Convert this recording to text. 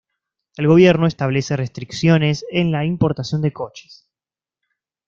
El gobierno establece restricciones en la importación de coches.